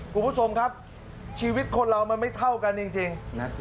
คุณผู้ชมครับชีวิตคนเรามันไม่เท่ากันจริง